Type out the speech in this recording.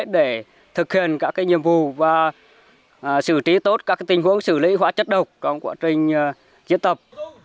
để thực hiện các nhiệm vụ và xử trí tốt các tình huống xử lý hóa chất độc trong quá trình diễn tập